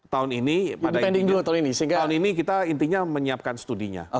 tahun ini kita intinya menyiapkan studinya